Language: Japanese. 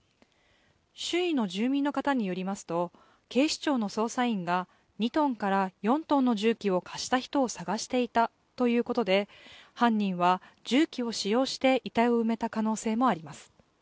周囲の住民の方によりますと、警視庁の捜査員が２ｔから４ｔの重機を貸した人を探していたということで犯人は重機を使用して遺体を埋めた可能性もあります。